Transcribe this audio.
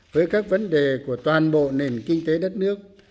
với các vấn đề của toàn bộ nền kinh tế đất nước